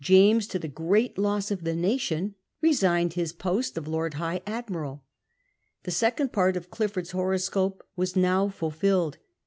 James, to the great loss of the nation, resigned his post of Lord High" Admiral. The second part of Clifford's horoscope was now fulfilled.